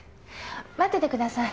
待っててください。